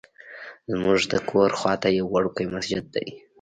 زمونږ د کور خواته یو وړوکی مسجد دی.